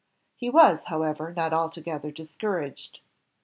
He was, however, not alto gether discouraged.